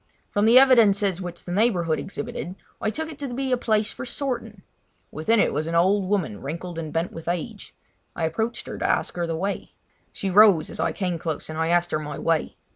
From the evidences which the neighbourhood exhibited I took it to be a place for sorting. Within it was an old woman wrinkled and bent with age; I approached her to ask the way. She rose as I came close and I asked her my way.